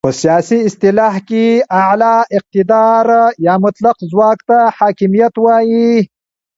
په سیاسي اصطلاح کې اعلی اقتدار یا مطلق ځواک ته حاکمیت وایې.